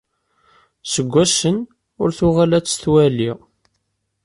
Seg ass-en ur tuɣal ad tt-twali.